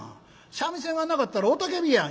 三味線がなかったら雄たけびやん」。